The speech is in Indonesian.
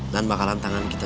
dan bakalan tangan kita